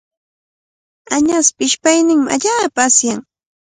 Añaspa ishpayninmi allaapa asyan.